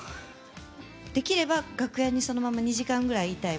できれば楽屋にそのまま２時間ぐらいいたい。